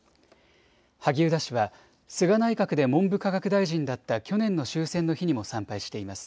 萩生田氏は菅内閣で文部科学大臣だった去年の終戦の日にも参拝しています。